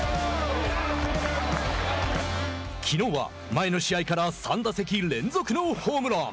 きのうは前の試合から３打席連続のホームラン。